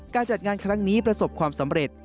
การจัดงานครั้งนี้ประสบความสำเร็จ